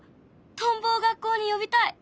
トンボを学校に呼びたい！